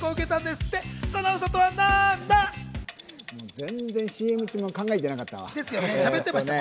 全然ＣＭ中考えてなかったわ。